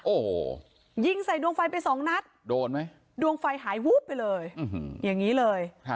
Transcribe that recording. โอ้โหยิงใส่ดวงไฟไปสองนัดโดนไหมดวงไฟหายวูบไปเลยอย่างนี้เลย